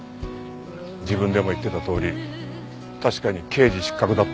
自分でも言ってたとおり確かに刑事失格だったのかもしれない。